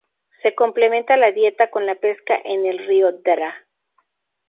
Se complementa la dieta con la pesca en el río Draa.